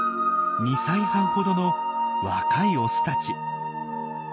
２歳半ほどの若いオスたち。